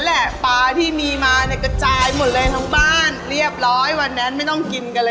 ก็ไม่ได้มีอะไรกันจริง